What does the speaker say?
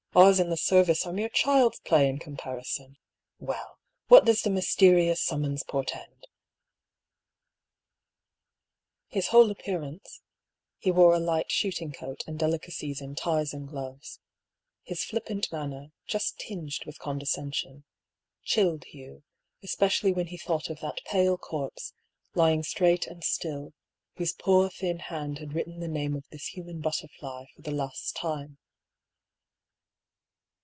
" Ours in the service are mere child's play in comparison ! Well, what does the mys terious summons portend ?" A MORAL DUEL. 71 His whole appearance — he wore a light shooting coat and delicacies in ties and gloves — his flippant man ner, just tinged with condescension — chilled Hugh, espe cially when he thought of that pale corpse, lying straight and still, whose poor thin hand had written the name of this human butterfly for the last time.